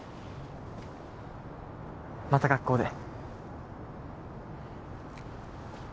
また学校で